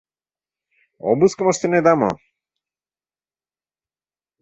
Обыскым ыштынеда мо?